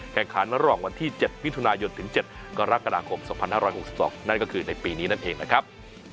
แข่งขันระหว่างวันที่๗มิถุนายนถึง๗กรกฎาคม๒๕๖๒นั่นก็คือในปีนี้นั่นเองนะครับ